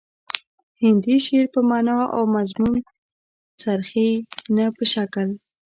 هندي شعر په معنا او مضمون څرخي نه په شکل